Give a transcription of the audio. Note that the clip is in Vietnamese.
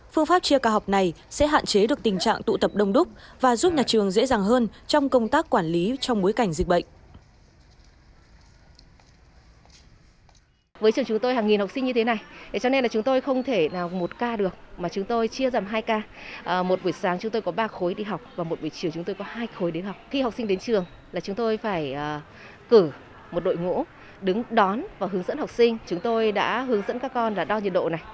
phương pháp chia ca học này sẽ hạn chế được tình trạng tụ tập đông đúc và giúp nhà trường dễ dàng hơn trong công tác quản lý trong bối cảnh dịch bệnh